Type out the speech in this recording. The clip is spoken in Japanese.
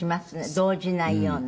動じないような。